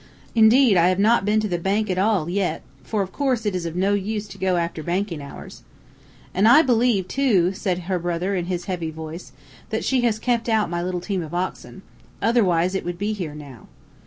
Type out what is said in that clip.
Indeed, I have not been to the Bank at all yet, for of course it is of no use to go after banking hours.' "'An' I believe, too,' said her brother in his heavy voice, 'that she has kept out my team of little oxen. Otherwise it would be here now.'